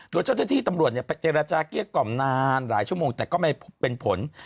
โดยเจ้าหน้าที่ตำรวจไปเจรจาเกลี้ยกล่อมนานหลายชั่วโมงแต่ก็ไม่เป็นผล